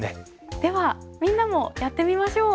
ではみんなもやってみましょう。